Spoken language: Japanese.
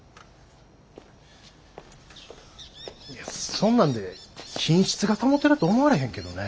そんなんで品質が保てると思われへんけどね。